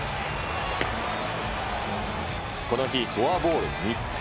この日、フォアボール３つ。